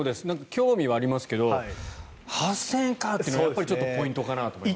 興味はありますけど８０００円かってのはちょっとポイントかなと思います。